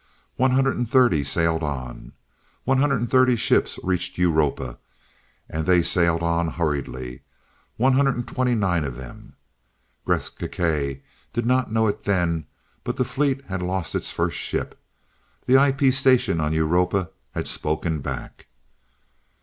One hundred and thirty sailed on. One hundred and thirty ships reached Europa and they sailed on hurriedly, one hundred and twenty nine of them. Gresth Gkae did not know it then, but the fleet had lost its first ship. The IP station on Europa had spoken back.